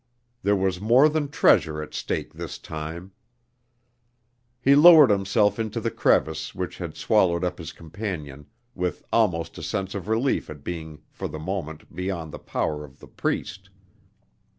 There was more than treasure at stake this time. He lowered himself into the crevice which had swallowed up his companion, with almost a sense of relief at being for the moment beyond the power of the Priest.